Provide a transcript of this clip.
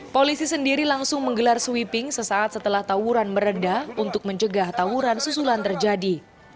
polisi sendiri langsung menggelar sweeping sesaat setelah tawuran meredah untuk mencegah tawuran susulan terjadi